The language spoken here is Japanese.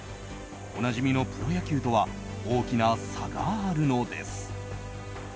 おなじみのプロ野球とは大きな差があるのです。